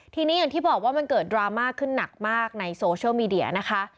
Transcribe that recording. ทีนี้อย่างที่บอกว่ามันเกิดดราม่าขึ้นหนักมากในโซเชียลมีเดียนะคะ